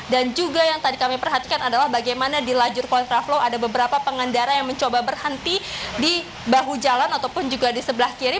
dan juga yang tadi kami perhatikan adalah bagaimana di lajur kontra flow ada beberapa pengendara yang mencoba berhenti di bahu jalan ataupun juga di sebelah kiri